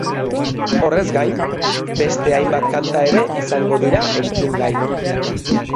Horrez gain, beste hainbat kanta ere izango dira entzungai.